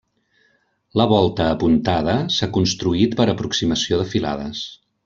La volta apuntada s'ha construït per aproximació de filades.